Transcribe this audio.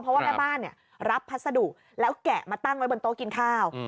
เพราะว่าแม่บ้านรับพัสดุแล้วแกะมาตั้งไว้บนโต๊ะกินข้าว